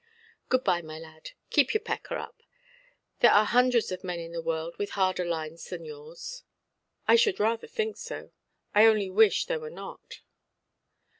"Good–bye, my lad. Keep your pecker up. There are hundreds of men in the world with harder lines than yours". "I should rather think so. I only wish there were not".